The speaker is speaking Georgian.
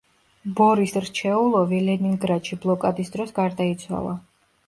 ბორის რჩეულოვი ლენინგრადში ბლოკადის დროს გარდაიცვალა.